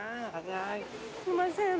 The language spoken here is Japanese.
すいません。